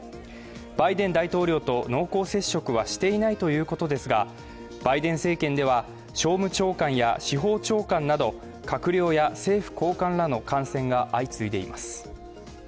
バイデン大統領と濃厚接触はしていないということですがバイデン政権では、商務長官や司法長官など閣僚や政府高官らの感染が相次いでいます。